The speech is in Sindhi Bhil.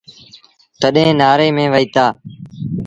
تڏهيݩ نآري ميݩ وهيٚتآ۔